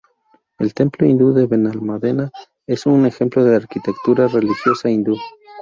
El templo hindú de Benalmádena es un ejemplo de arquitectura religiosa hindú.